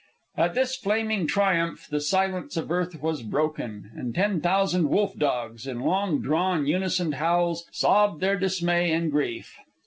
At this flaming triumph the silence of earth was broken, and ten thousand wolf dogs, in long drawn unisoned howls, sobbed their dismay and grief.